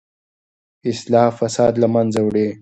اصلاح فساد له منځه وړي.